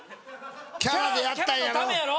キャラでやったんやろ？